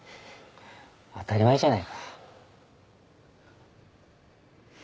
当たり前じゃないか。